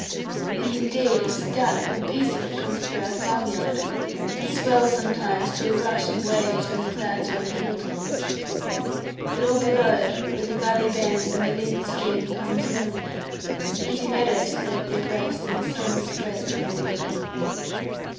And indeed a stout good piece of it comes through our farm yard, and swells sometimes to a rush of waves, when the clouds are on the hill tops. But all below, where the valley bends, and the Lynn stream comes along with it, pretty meadows slope their breast, and the sun spreads on the water.